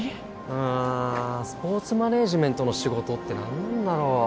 うーんスポーツマネージメントの仕事って何なんだろう